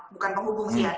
bukan penghubung sih ya